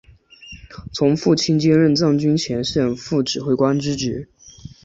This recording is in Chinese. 从父命接任藏军前线副指挥官之职。